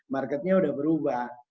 marketnya sudah berubah